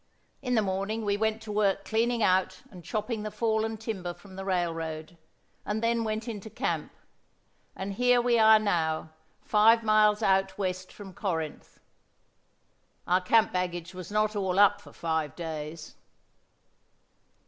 In the morning we went to work cleaning out and chopping the fallen timber from the railroad, and then went into camp, and here we are now, five miles out west from Corinth. Our camp baggage was not all up for five days.